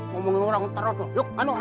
ngomongin orang terus loh